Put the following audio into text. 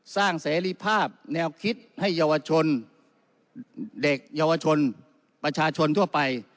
เสรีภาพแนวคิดให้เยาวชนเด็กเยาวชนประชาชนทั่วไป